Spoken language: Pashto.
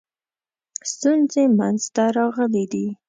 ستونزې منځته راغلي دي.